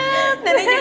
ya bener banget